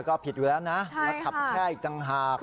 ก็ผิดอยู่แล้วนะแล้วขับแช่อีกต่างหาก